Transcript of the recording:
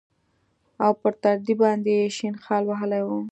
او پر تندي باندې يې شين خال وهلى و.